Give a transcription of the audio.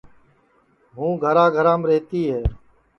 ہوں گھرا گھرام رہتی ہے